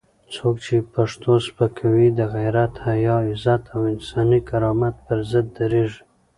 څوک چې پښتو سپکوي، د غیرت، حیا، عزت او انساني کرامت پر ضد درېږي.